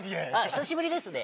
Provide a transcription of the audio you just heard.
久しぶりですね